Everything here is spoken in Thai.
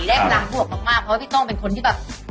เล่นล้างบวกมากเพราะว่าพี่โต้งเป็นคนที่แบบ